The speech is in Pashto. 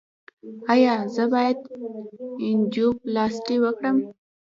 ایا زه باید انجیوپلاسټي وکړم؟